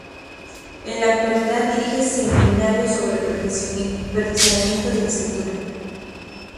En la actualidad dirige seminarios sobre el perfeccionamiento de la escritura.